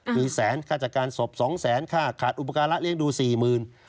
คือแสนฆ่าจากการศพ๒๐๐๐๐๐บาทค่าขาดอุปกรณ์รักเลี้ยงดู๔๐๐๐๐บาท